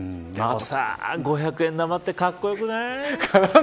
でも５００円玉ってかっこよくない。